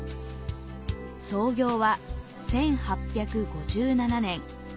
創業は１８５７年。